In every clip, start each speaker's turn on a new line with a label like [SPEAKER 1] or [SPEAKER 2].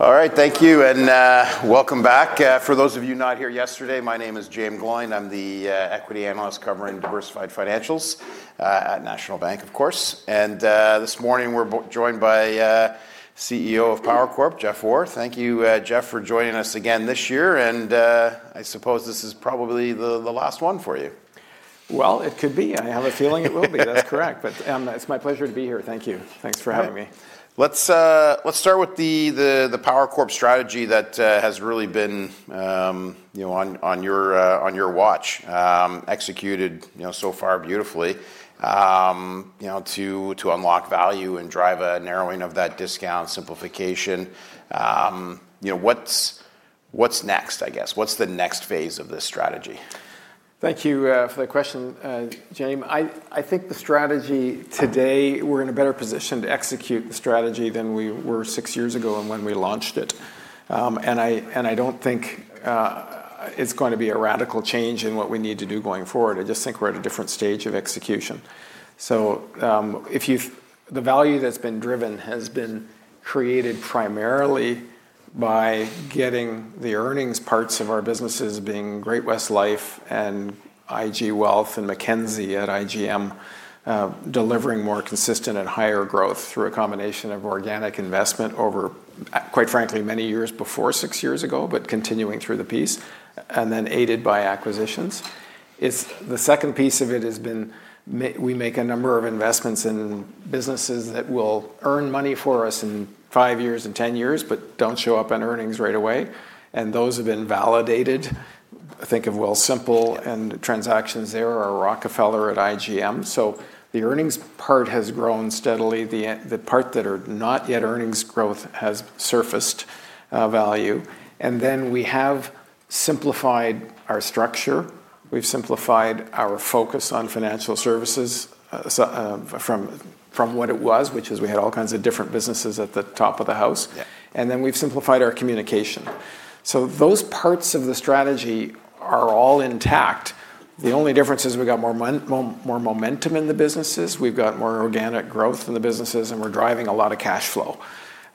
[SPEAKER 1] All right. Thank you. Welcome back. For those of you not here yesterday, my name is James Glynn. I'm the equity analyst covering diversified financials at National Bank, of course. This morning we're joined by CEO of Power Corp, Jeff Orr. Thank you, Jeff, for joining us again this year. I suppose this is probably the last one for you.
[SPEAKER 2] Well, it could be. I have a feeling it will be. That's correct. It's my pleasure to be here. Thank you. Thanks for having me.
[SPEAKER 1] Let's start with the Power Corporation strategy that has really been, you know, on your watch, executed, you know, so far beautifully. You know, to unlock value and drive a narrowing of that discount simplification. You know, what's next, I guess? What's the next phase of this strategy?
[SPEAKER 2] Thank you for that question, James. I think the strategy today, we're in a better position to execute the strategy than we were six years ago and when we launched it. I don't think it's going to be a radical change in what we need to do going forward. I just think we're at a different stage of execution. The value that's been driven has been created primarily by getting the earnings parts of our businesses, being Great-West Life and IG Wealth and Mackenzie at IGM, delivering more consistent and higher growth through a combination of organic investment over, quite frankly, many years before six years ago, but continuing through the period, and then aided by acquisitions. The second piece of it has been we make a number of investments in businesses that will earn money for us in five years and 10 years, but don't show up in earnings right away, and those have been validated. Think of Wealthsimple and transactions there or Rockefeller at IGM. The earnings part has grown steadily. The part that are not yet earnings growth has surfaced value. Then we have simplified our structure. We've simplified our focus on financial services from what it was, which is we had all kinds of different businesses at the top of the house.
[SPEAKER 1] Yeah.
[SPEAKER 2] Then we've simplified our communication. Those parts of the strategy are all intact. The only difference is we've got more momentum in the businesses, we've got more organic growth in the businesses, and we're driving a lot of cash flow.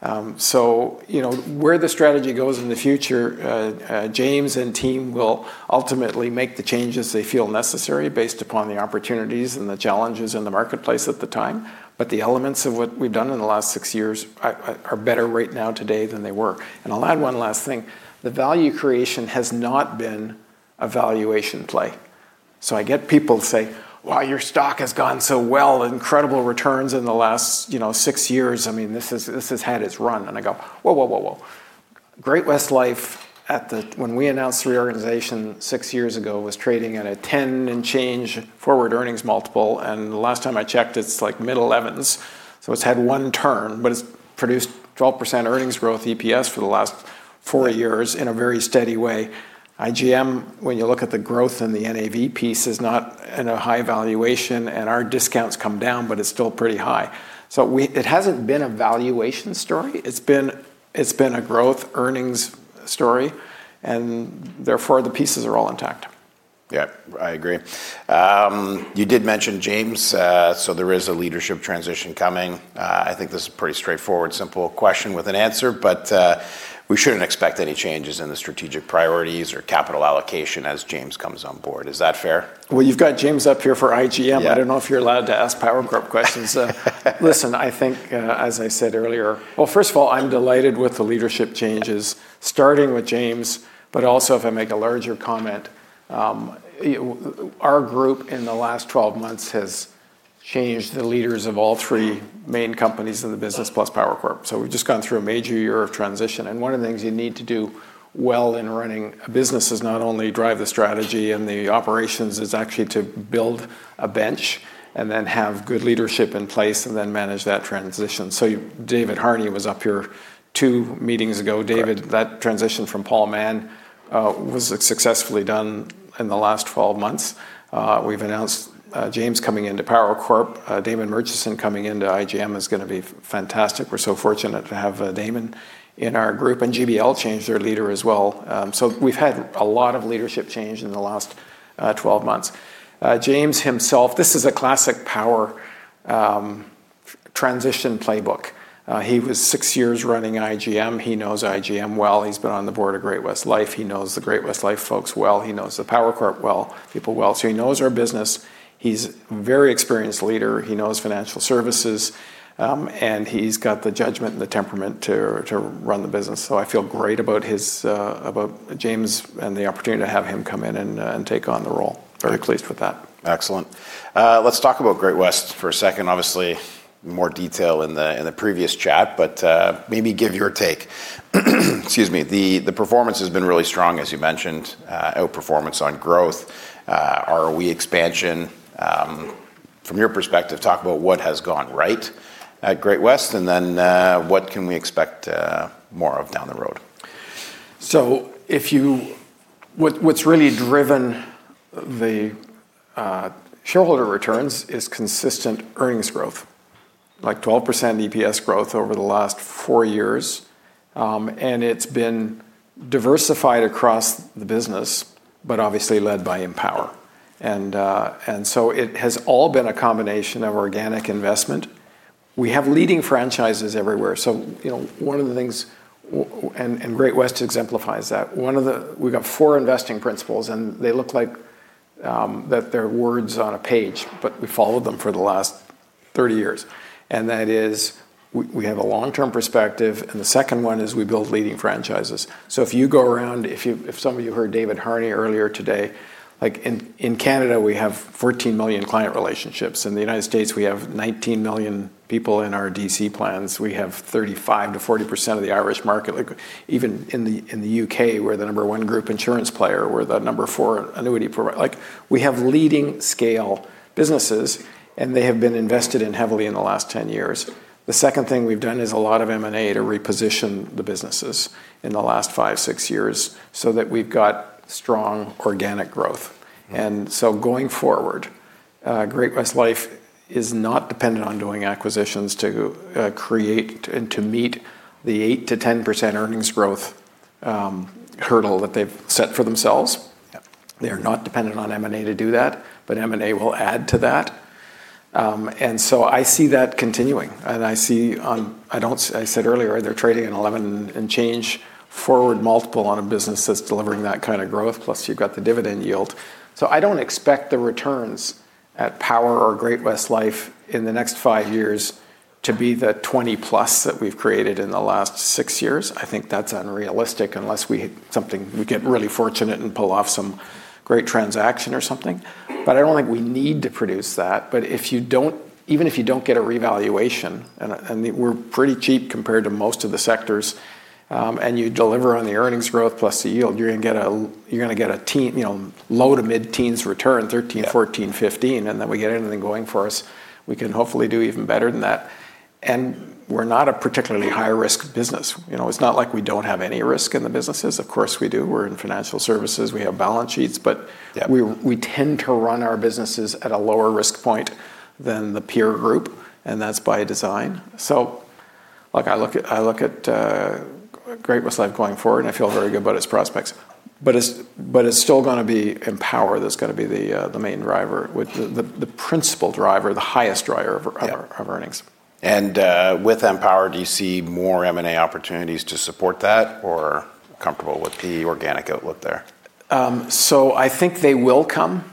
[SPEAKER 2] You know, where the strategy goes in the future, James and team will ultimately make the changes they feel necessary based upon the opportunities and the challenges in the marketplace at the time. The elements of what we've done in the last six years are better right now today than they were. I'll add one last thing. The value creation has not been a valuation play. I get people say, "Wow, your stock has gone so well. Incredible returns in the last, you know, six years. I mean, this has had its run." I go, "Whoa, whoa, whoa. Great-West Life when we announced reorganization six years ago, was trading at a 10 and change forward earnings multiple, and the last time I checked, it's like mid-11s. It's had one turn, but it's produced 12% earnings growth EPS for the last four years in a very steady way." IGM, when you look at the growth in the NAV piece, is not in a high valuation, and our discount's come down, but it's still pretty high. It hasn't been a valuation story. It's been a growth earnings story, and therefore, the pieces are all intact.
[SPEAKER 1] Yeah, I agree. You did mention James, so there is a leadership transition coming. I think this is pretty straightforward, simple question with an answer, but we shouldn't expect any changes in the strategic priorities or capital allocation as James comes on board. Is that fair?
[SPEAKER 2] Well, you've got James up here for IGM.
[SPEAKER 1] Yeah.
[SPEAKER 2] I don't know if you're allowed to ask Power Corporation questions. Listen, I think, as I said earlier. Well, first of all, I'm delighted with the leadership changes, starting with James. If I make a larger comment, our group in the last 12 months has changed the leaders of all three main companies in the business plus Power Corporation. We've just gone through a major year of transition, and one of the things you need to do well in running a business is not only drive the strategy and the operations, is actually to build a bench and then have good leadership in place and then manage that transition. David Harney was up here two meetings ago.
[SPEAKER 1] Correct.
[SPEAKER 2] David, that transition from Paul Mahon was successfully done in the last 12 months. We've announced James coming into Power Corp. Damon Murchison coming into IGM is gonna be fantastic. We're so fortunate to have Damon in our group. GBL changed their leader as well. We've had a lot of leadership change in the last 12 months. James himself, this is a classic Power transition playbook. He was six years running IGM. He knows IGM well. He's been on the board of Great-West Life. He knows the Great-West Life folks well. He knows the Power Corp well, people well. So he knows our business. He's very experienced leader. He knows financial services, and he's got the judgment and the temperament to run the business. I feel great about James and the opportunity to have him come in and take on the role.
[SPEAKER 1] Great.
[SPEAKER 2] Very pleased with that.
[SPEAKER 1] Excellent. Let's talk about Great-West for a second. Obviously, more detail in the previous chat, but maybe give your take. Excuse me. The performance has been really strong, as you mentioned, outperformance on growth. Are we expansion? From your perspective, talk about what has gone right at Great-West, and then what can we expect more of down the road.
[SPEAKER 2] What's really driven the shareholder returns is consistent earnings growth, like 12% EPS growth over the last four years. It's diversified across the business, but obviously led by Empower. It has all been a combination of organic investment. We have leading franchises everywhere, you know, one of the things, and Great-West exemplifies that. We've got four investing principles, and they look like that they're words on a page, but we followed them for the last 30 years. That is, we have a long-term perspective, and the second one is we build leading franchises. If you go around, if some of you heard David Harney earlier today, like in Canada, we have 14 million client relationships. In the United States, we have 19 million people in our DC plans. We have 35%-40% of the Irish market. Like even in the U.K., we're the number 1 group insurance player. We're the number 4 annuity provider. Like, we have leading scale businesses, and they have been invested in heavily in the last 10 years. The second thing we've done is a lot of M&A to reposition the businesses in the last five, six years so that we've got strong organic growth. Going forward, Great-West Life is not dependent on doing acquisitions to create and to meet the 8%-10% earnings growth hurdle that they've set for themselves.
[SPEAKER 1] Yep.
[SPEAKER 2] They're not dependent on M&A to do that, but M&A will add to that. I see that continuing, I said earlier, they're trading at 11 and change forward multiple on a business that's delivering that kind of growth, plus you've got the dividend yield. I don't expect the returns at Power or Great-West Lifeco in the next five years to be the 20+ that we've created in the last six years. I think that's unrealistic unless we hit something we get really fortunate and pull off some great transaction or something. I don't think we need to produce that. If you don't, even if you don't get a revaluation, and we're pretty cheap compared to most of the sectors, and you deliver on the earnings growth plus the yield, you're gonna get a teen, you know, low- to mid-teens return, 13%, 14%, 15%.
[SPEAKER 1] Yeah.
[SPEAKER 2] Then we get anything going for us, we can hopefully do even better than that. We're not a particularly high-risk business. You know, it's not like we don't have any risk in the businesses. Of course, we do. We're in financial services. We have balance sheets.
[SPEAKER 1] Yeah
[SPEAKER 2] We tend to run our businesses at a lower risk point than the peer group, and that's by design. Like I look at Great-West Life going forward, and I feel very good about its prospects. It's still gonna be Empower that's gonna be the main driver, the principal driver, the highest driver of.
[SPEAKER 1] Yeah
[SPEAKER 2] of earnings.
[SPEAKER 1] With Empower, do you see more M&A opportunities to support that, or comfortable with the organic outlook there?
[SPEAKER 2] I think they will come,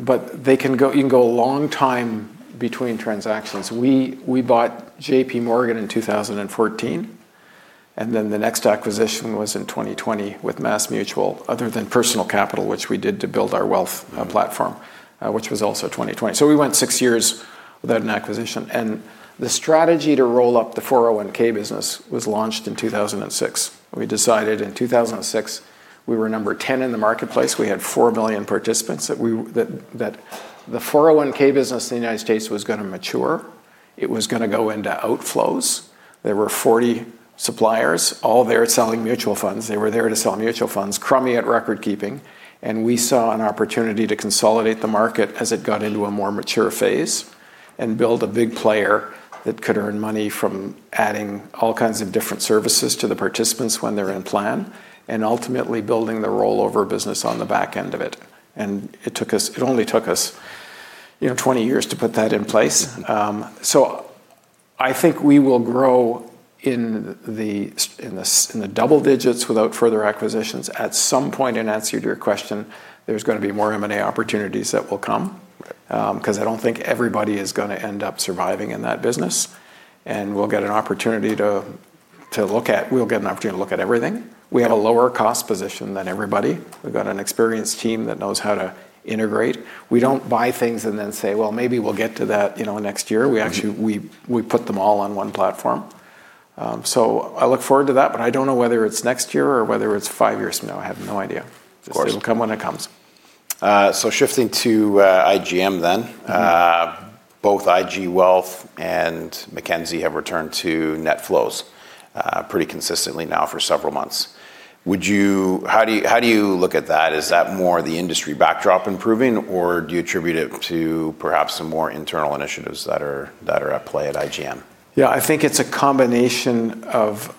[SPEAKER 2] but they can go. You can go a long time between transactions. We bought J.P. Morgan in 2014, and then the next acquisition was in 2020 with MassMutual, other than Personal Capital, which we did to build our wealth platform, which was also 2020. We went six years without an acquisition. The strategy to roll up the 401 business was launched in 2006. We decided in 2006, we were number 10 in the marketplace. We had 4 million participants that the 401 business in the U.S. was gonna mature. It was gonna go into outflows. There were 40 suppliers, all there selling mutual funds. They were there to sell mutual funds, crummy at record keeping, and we saw an opportunity to consolidate the market as it got into a more mature phase and build a big player that could earn money from adding all kinds of different services to the participants when they're in plan, and ultimately building the rollover business on the back end of it. It only took us, you know, 20 years to put that in place. I think we will grow in the double digits without further acquisitions. At some point, in answer to your question, there's gonna be more M&A opportunities that will come.
[SPEAKER 1] Right.
[SPEAKER 2] 'Cause I don't think everybody is gonna end up surviving in that business. We'll get an opportunity to look at everything. We have a lower cost position than everybody. We've got an experienced team that knows how to integrate. We don't buy things and then say, "Well, maybe we'll get to that, you know, next year." We actually put them all on one platform. I look forward to that, but I don't know whether it's next year or whether it's five years from now. I have no idea.
[SPEAKER 1] Of course.
[SPEAKER 2] It'll come when it comes.
[SPEAKER 1] Shifting to IGM then.
[SPEAKER 2] Mm-hmm.
[SPEAKER 1] Both IG Wealth and Mackenzie have returned to net flows pretty consistently now for several months. How do you look at that? Is that more the industry backdrop improving, or do you attribute it to perhaps some more internal initiatives that are at play at IGM?
[SPEAKER 2] Yeah. I think it's a combination of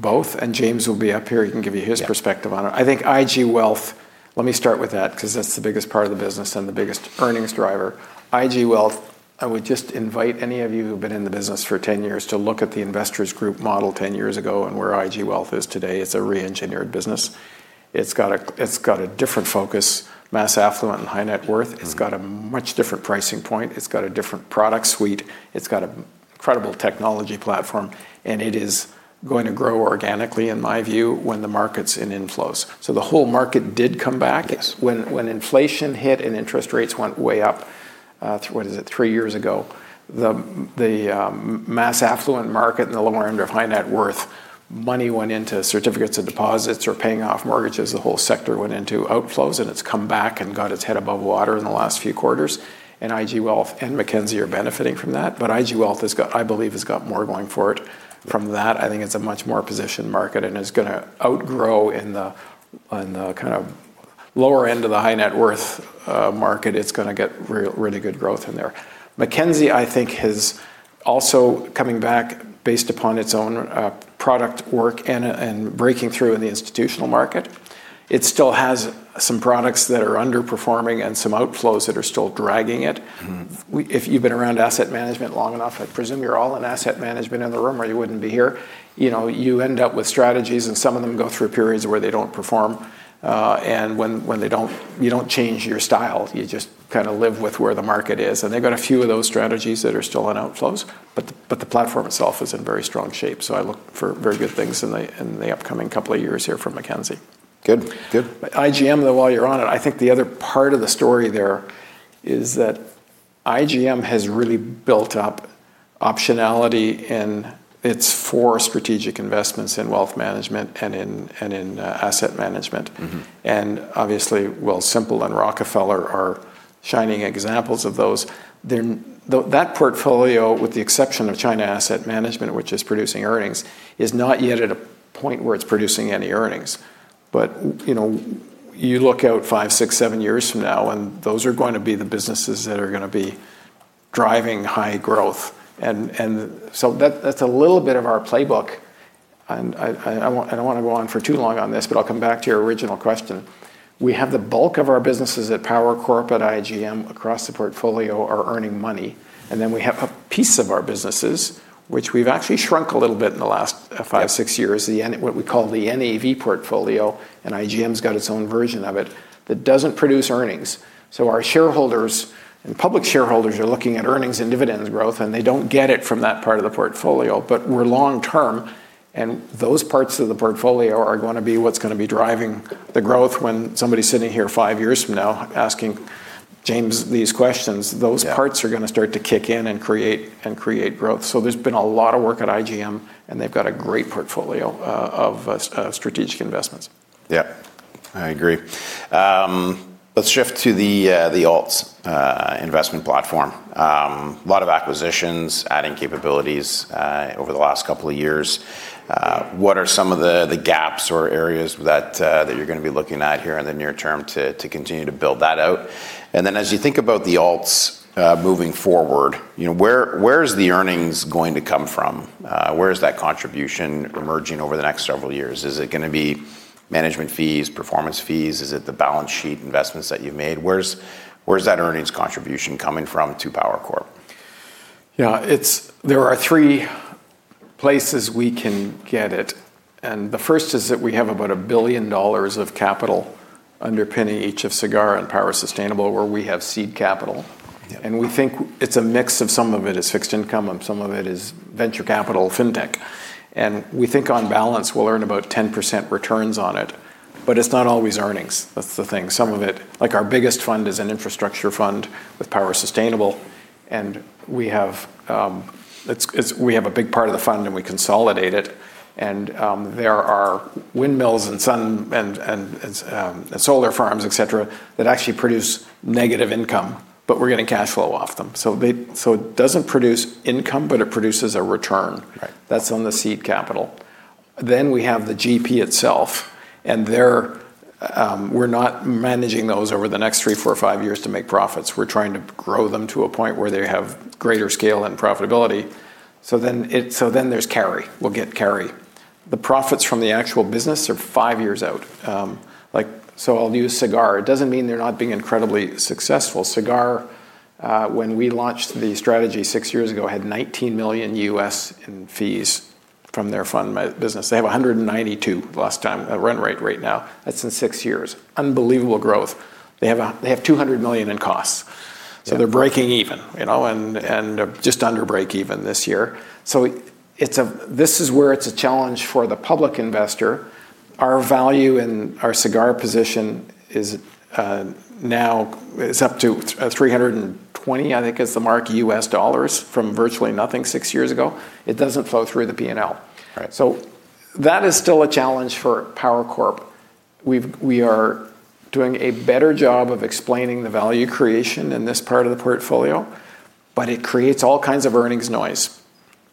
[SPEAKER 2] both, and James will be up here. He can give you his perspective on it.
[SPEAKER 1] Yeah.
[SPEAKER 2] I think IG Wealth, let me start with that, 'cause that's the biggest part of the business and the biggest earnings driver. IG Wealth, I would just invite any of you who've been in the business for 10 years to look at the Investors Group model 10 years ago and where IG Wealth is today. It's a reengineered business. It's got a different focus, mass affluent and high net worth.
[SPEAKER 1] Mm-hmm.
[SPEAKER 2] It's got a much different pricing point. It's got a different product suite. It's got an incredible technology platform, and it is going to grow organically, in my view, when the market's in inflows. The whole market did come back.
[SPEAKER 1] Yes.
[SPEAKER 2] When inflation hit and interest rates went way up, what is it? Three years ago. The mass affluent market and the lower end of high net worth money went into certificates of deposits or paying off mortgages. The whole sector went into outflows, and it's come back and got its head above water in the last few quarters. IG Wealth and Mackenzie are benefiting from that. IG Wealth has got, I believe, more going for it from that. I think it's a much more positioned market and is gonna outgrow in the kind of lower end of the high net worth market. It's gonna get really good growth in there. Mackenzie, I think, is also coming back based upon its own product work and breaking through in the institutional market. It still has some products that are underperforming and some outflows that are still dragging it.
[SPEAKER 1] Mm-hmm.
[SPEAKER 2] If you've been around asset management long enough, I presume you're all in asset management in the room or you wouldn't be here, you know, you end up with strategies, and some of them go through periods where they don't perform. When they don't, you don't change your style. You just kinda live with where the market is. They've got a few of those strategies that are still in outflows, but the platform itself is in very strong shape. I look for very good things in the upcoming couple of years here from Mackenzie.
[SPEAKER 1] Good. Good.
[SPEAKER 2] IGM, though, while you're on it, I think the other part of the story there is that IGM has really built up optionality in its four strategic investments in wealth management and asset management.
[SPEAKER 1] Mm-hmm.
[SPEAKER 2] Obviously, Wealthsimple and Rockefeller are shining examples of those. That portfolio, with the exception of China Asset Management, which is producing earnings, is not yet at a point where it's producing any earnings. You know, you look out five, six, seven years from now, and those are going to be the businesses that are gonna be driving high growth. So that's a little bit of our playbook. I don't wanna go on for too long on this, but I'll come back to your original question. We have the bulk of our businesses at Power Corp at IGM across the portfolio are earning money. We have a piece of our businesses which we've actually shrunk a little bit in the last 5, 6 years, what we call the NAV portfolio, and IGM's got its own version of it, that doesn't produce earnings. Our shareholders and public shareholders are looking at earnings and dividends growth, and they don't get it from that part of the portfolio. We're long-term, and those parts of the portfolio are gonna be what's gonna be driving the growth when somebody's sitting here 5 years from now asking James these questions.
[SPEAKER 1] Yeah.
[SPEAKER 2] Those parts are gonna start to kick in and create growth. There's been a lot of work at IGM, and they've got a great portfolio of strategic investments.
[SPEAKER 1] Yeah. I agree. Let's shift to the alts investment platform. A lot of acquisitions, adding capabilities over the last couple of years. What are some of the gaps or areas that you're gonna be looking at here in the near term to continue to build that out? Then as you think about the alts moving forward, you know, where is the earnings going to come from? Where is that contribution emerging over the next several years? Is it gonna be management fees, performance fees? Is it the balance sheet investments that you've made? Where's that earnings contribution coming from to Power Corporation?
[SPEAKER 2] Yeah. There are three places we can get it, and the first is that we have about 1 billion dollars of capital underpinning each of Sagard and Power Sustainable, where we have seed capital.
[SPEAKER 1] Yeah.
[SPEAKER 2] We think it's a mix of some of it is fixed income, and some of it is venture capital, fintech. We think on balance, we'll earn about 10% returns on it, but it's not always earnings. That's the thing. Some of it, like our biggest fund is an infrastructure fund with Power Sustainable, and we have a big part of the fund and we consolidate it. There are windmills and sun and solar farms, et cetera, that actually produce negative income, but we're getting cash flow off them. It doesn't produce income, but it produces a return.
[SPEAKER 1] Right.
[SPEAKER 2] That's on the seed capital. We have the GP itself, and we're not managing those over the next 3, 4, 5 years to make profits. We're trying to grow them to a point where they have greater scale and profitability. There's carry. We'll get carry. The profits from the actual business are 5 years out. Like, so I'll use Sagard. It doesn't mean they're not being incredibly successful. Sagard, when we launched the strategy 6 years ago, had $19 million in fees from their fund management business. They have a $192 million run rate right now. That's in 6 years. Unbelievable growth. They have $200 million in costs.
[SPEAKER 1] Yeah.
[SPEAKER 2] They're breaking even, you know, and just under break even this year. This is where it's a challenge for the public investor. Our value and our Sagard position is now up to $320, I think is the mark US dollars from virtually nothing 6 years ago. It doesn't flow through the P&L.
[SPEAKER 1] Right.
[SPEAKER 2] That is still a challenge for Power Corporation. We are doing a better job of explaining the value creation in this part of the portfolio, but it creates all kinds of earnings noise.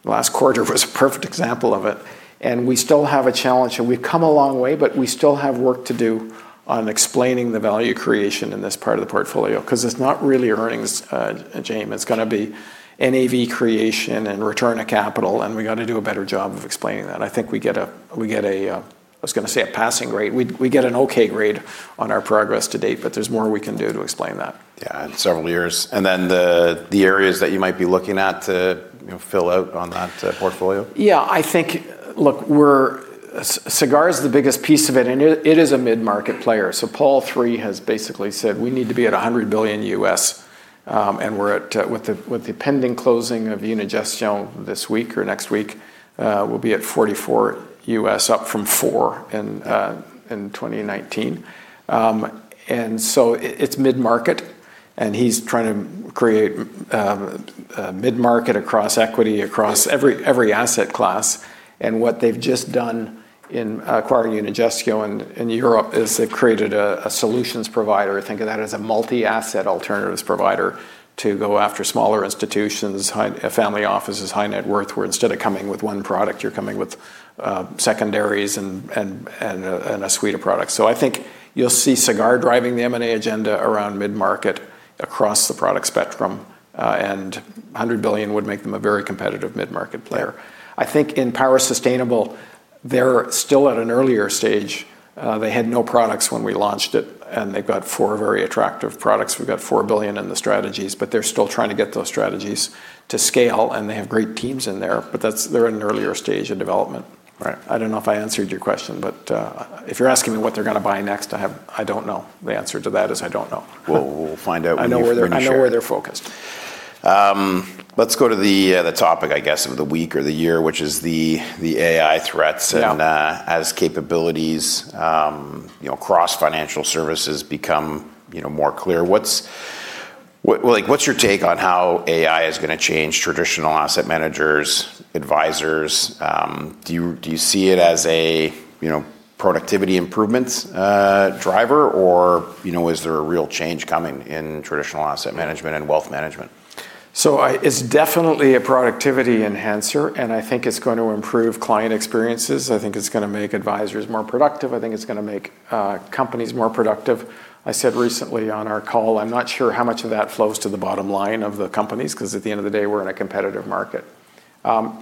[SPEAKER 2] Last quarter was a perfect example of it, and we still have a challenge. We've come a long way, but we still have work to do on explaining the value creation in this part of the portfolio, 'cause it's not really earnings, James. It's gonna be NAV creation and return of capital, and we gotta do a better job of explaining that. I think we get a. I was gonna say a passing grade. We get an okay grade on our progress to date, but there's more we can do to explain that.
[SPEAKER 1] Yeah, in several years. The areas that you might be looking at to, you know, fill out on that portfolio?
[SPEAKER 2] Yeah, I think. Look, Sagard is the biggest piece of it, and it is a mid-market player. Paul III has basically said we need to be at $100 billion, and we're at, with the pending closing of Unigestion this week or next week, we'll be at $44 billion, up from $4 billion in 2019. It's mid-market, and he's trying to create mid-market across equity, across every asset class. What they've just done in acquiring Unigestion in Europe is they've created a solutions provider. Think of that as a multi-asset alternatives provider to go after smaller institutions, family offices, high-net-worth, where instead of coming with one product, you're coming with secondaries and a suite of products. I think you'll see Sagard driving the M&A agenda around mid-market across the product spectrum. 100 billion would make them a very competitive mid-market player. I think in Power Sustainable, they're still at an earlier stage. They had no products when we launched it, and they've got four very attractive products. We've got 4 billion in the strategies, but they're still trying to get those strategies to scale, and they have great teams in there. But they're an earlier stage in development.
[SPEAKER 1] Right.
[SPEAKER 2] I don't know if I answered your question, but if you're asking me what they're gonna buy next, I don't know. The answer to that is I don't know.
[SPEAKER 1] We'll find out when you're free to share.
[SPEAKER 2] I know where they're focused.
[SPEAKER 1] Let's go to the topic, I guess, of the week or the year, which is the AI threats.
[SPEAKER 2] Yeah
[SPEAKER 1] As capabilities, you know, across financial services become, you know, more clear. Well, like, what's your take on how AI is gonna change traditional asset managers, advisors? Do you see it as a, you know, productivity improvements driver? Or, you know, is there a real change coming in traditional asset management and wealth management?
[SPEAKER 2] It's definitely a productivity enhancer, and I think it's going to improve client experiences. I think it's gonna make advisors more productive. I think it's gonna make companies more productive. I said recently on our call, I'm not sure how much of that flows to the bottom line of the companies 'cause at the end of the day, we're in a competitive market.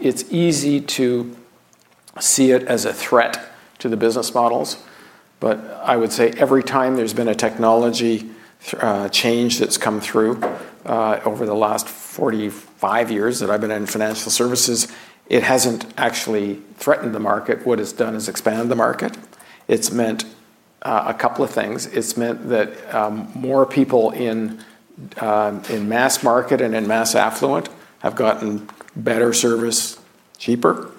[SPEAKER 2] It's easy to see it as a threat to the business models. I would say every time there's been a technology change that's come through over the last 45 years that I've been in financial services, it hasn't actually threatened the market. What it's done is expanded the market. It's meant a couple of things. It's meant that more people in mass market and in mass affluent have gotten better service cheaper,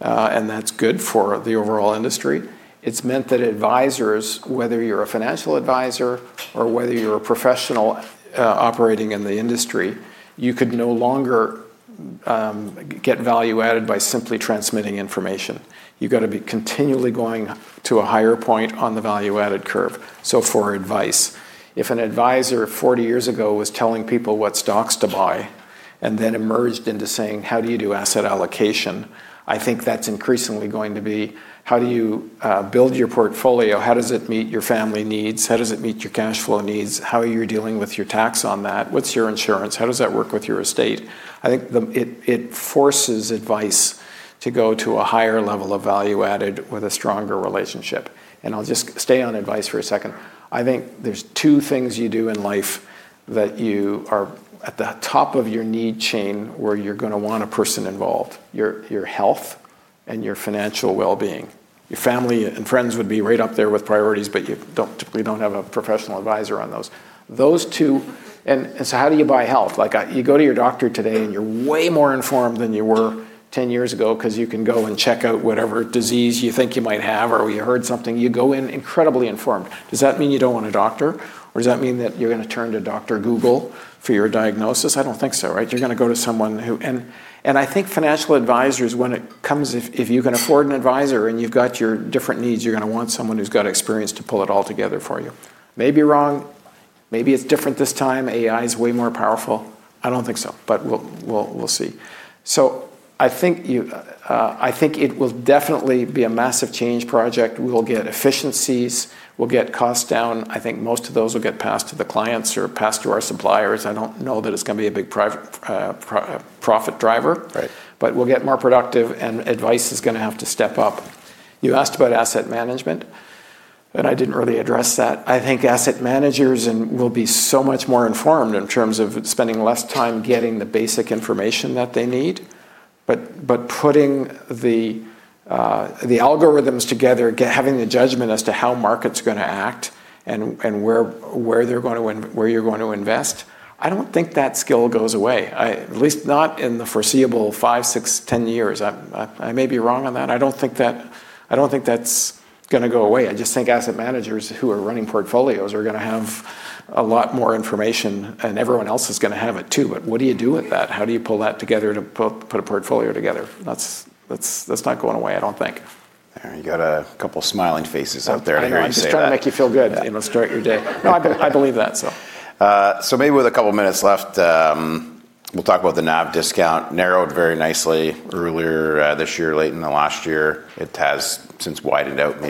[SPEAKER 2] and that's good for the overall industry. It's meant that advisors, whether you're a financial advisor or whether you're a professional operating in the industry, you could no longer get value added by simply transmitting information. You've gotta be continually going to a higher point on the value-added curve. For advice, if an advisor 40 years ago was telling people what stocks to buy and then emerged into saying, "How do you do asset allocation?" I think that's increasingly going to be, how do you build your portfolio? How does it meet your family needs? How does it meet your cash flow needs? How are you dealing with your tax on that? What's your insurance? How does that work with your estate? I think it forces advice to go to a higher level of value added with a stronger relationship. I'll just stay on advice for a second. I think there's two things you do in life that you are at the top of your need chain where you're gonna want a person involved, your health and your financial well-being. Your family and friends would be right up there with priorities, but you typically don't have a professional advisor on those. Those two. How do you buy health? Like, you go to your doctor today, and you're way more informed than you were 10 years ago 'cause you can go and check out whatever disease you think you might have or you heard something. You go in incredibly informed. Does that mean you don't want a doctor? Does that mean that you're gonna turn to Doctor Google for your diagnosis? I don't think so, right? You're gonna go to someone. I think financial advisors, when it comes, if you can afford an advisor and you've got your different needs, you're gonna want someone who's got experience to pull it all together for you. Maybe wrong. Maybe it's different this time. AI is way more powerful. I don't think so, but we'll see. I think it will definitely be a massive change project. We will get efficiencies. We'll get costs down. I think most of those will get passed to the clients or passed to our suppliers. I don't know that it's gonna be a big profit driver.
[SPEAKER 1] Right.
[SPEAKER 2] We'll get more productive, and advice is gonna have to step up. You asked about asset management, and I didn't really address that. I think asset managers will be so much more informed in terms of spending less time getting the basic information that they need. Putting the algorithms together, having the judgment as to how market's gonna act and where you're going to invest, I don't think that skill goes away. At least not in the foreseeable five, six, 10 years. I may be wrong on that. I don't think that's gonna go away. I just think asset managers who are running portfolios are gonna have a lot more information, and everyone else is gonna have it too. What do you do with that? How do you pull that together to put a portfolio together? That's not going away, I don't think.
[SPEAKER 1] There, you got a couple smiling faces out there.
[SPEAKER 2] I know. I'm just trying to make you feel good.
[SPEAKER 1] I hear you say that.
[SPEAKER 2] You know, start your day. No, I believe that.
[SPEAKER 1] Maybe with a couple minutes left, we'll talk about the NAV discount narrowed very nicely earlier this year, late in the last year. It has since widened out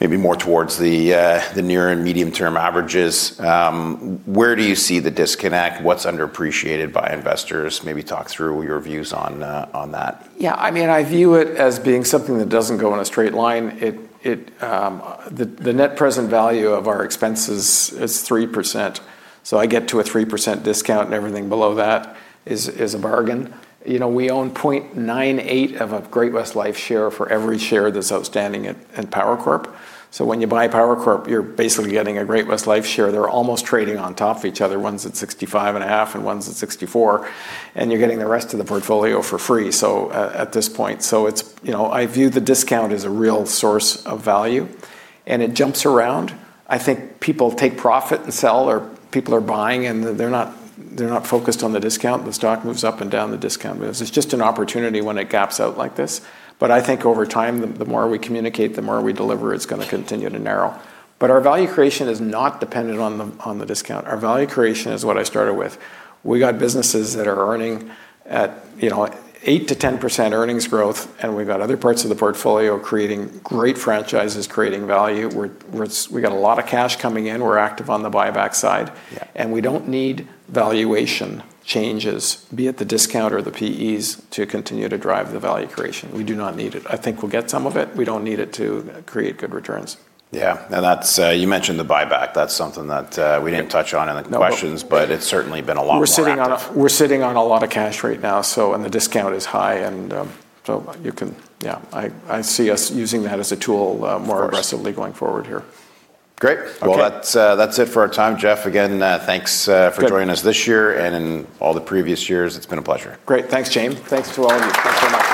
[SPEAKER 1] maybe more towards the near and medium term averages. Where do you see the disconnect? What's underappreciated by investors? Maybe talk through your views on that.
[SPEAKER 2] I mean, I view it as being something that doesn't go in a straight line. The net present value of our expenses is 3%, so I get to a 3% discount, and everything below that is a bargain. You know, we own 0.98 of a Great-West Life share for every share that's outstanding at Power Corp. So when you buy Power Corp, you're basically getting a Great-West Life share. They're almost trading on top of each other. One's at 65.5, and one's at 64, and you're getting the rest of the portfolio for free, so at this point. It's. You know, I view the discount as a real source of value, and it jumps around. I think people take profit and sell or people are buying, and they're not focused on the discount. The stock moves up and down, the discount moves. It's just an opportunity when it gaps out like this. I think over time, the more we communicate, the more we deliver, it's gonna continue to narrow. Our value creation is not dependent on the discount. Our value creation is what I started with. We got businesses that are earning at, you know, 8%-10% earnings growth, and we've got other parts of the portfolio creating great franchises, creating value. We got a lot of cash coming in. We're active on the buyback side.
[SPEAKER 1] Yeah.
[SPEAKER 2] We don't need valuation changes, be it the discount or the P/Es, to continue to drive the value creation. We do not need it. I think we'll get some of it. We don't need it to create good returns.
[SPEAKER 1] Yeah. Now, that's, you mentioned the buyback. That's something that we didn't touch on in the questions-
[SPEAKER 2] No
[SPEAKER 1] It's certainly been a lot more active.
[SPEAKER 2] We're sitting on a lot of cash right now. The discount is high, so you can. Yeah. I see us using that as a tool.
[SPEAKER 1] Of course.
[SPEAKER 2] More aggressively going forward here.
[SPEAKER 1] Great.
[SPEAKER 2] Okay.
[SPEAKER 1] Well, that's it for our time, Jeff. Again, thanks for joining us this year.
[SPEAKER 2] Good
[SPEAKER 1] in all the previous years. It's been a pleasure.
[SPEAKER 2] Great. Thanks, James Glynn. Thanks to all of you. Thanks so much.